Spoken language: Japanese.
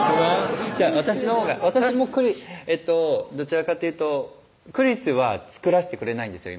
私のほうが私もどちらかというとクリスは作らせてくれないんですよ